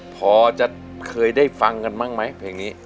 พอจะเคยได้ฟังกันบ้างไหมเพลงนี้